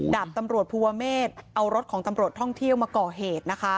ดาบตำรวจภูวะเมฆเอารถของตำรวจท่องเที่ยวมาก่อเหตุนะคะ